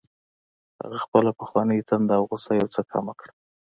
هغه خپله پخوانۍ تنده او غوسه یو څه کمه کړه